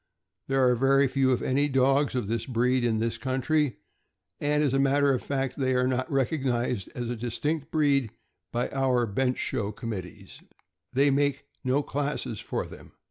There are very few, if any, dogs of this breed in this country, and as a matter of fact they are not recog nized as a distinct breed by our bench show committees, they making no classes for them.